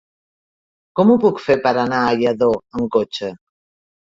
Com ho puc fer per anar a Lladó amb cotxe?